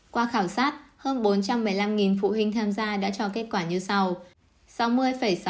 qua khảo sát hơn bốn trăm một mươi năm phụ huynh tham gia đã cho kết quả như sau